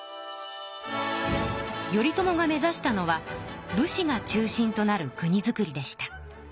頼朝が目ざしたのは武士が中心となる国づくりでした。